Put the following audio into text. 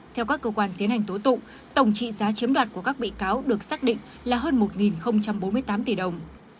theo các cơ quan tiến hành tố tụng tổng trị giá chiếm đoạt của các bị cáo được xác định là hơn một bốn mươi tám tỷ đồng